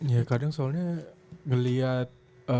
ya kadang soalnya ngeliat